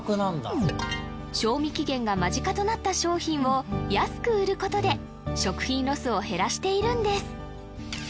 賞味期限が間近となった商品を安く売ることで食品ロスを減らしているんです